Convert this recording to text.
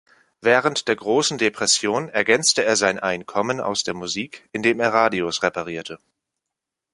Während der Großen Depression ergänzte er sein Einkommen aus der Musik, indem er Radios reparierte.